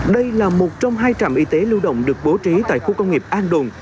đây là một trong hai trạm y tế lưu động được bố trí tại khu công nghiệp an đồn